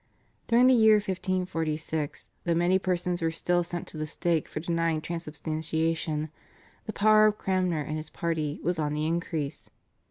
During the year 1546, though many persons were still sent to the stake for denying Transubstantiation, the power of Cranmer and his party was on the increase.